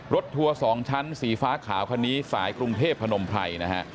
ทัวร์๒ชั้นสีฟ้าขาวคันนี้สายกรุงเทพพนมไพรนะฮะ